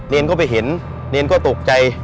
เรียนก็ไปเห็นเรียนก็ตกใจ